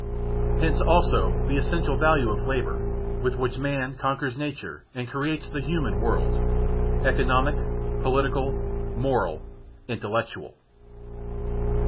Hence also the essential value of labour, with which man conquers nature and creates the human world (economic, political, moral, intellectual).